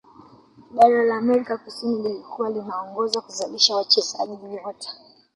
bara la amerika kusini lilikuwa linaongoza kuzalisha wachezaji nyota